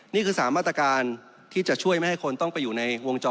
นี่คือ๓มาตรการที่จะช่วยไม่ให้คนต้องไปอยู่ในวงจร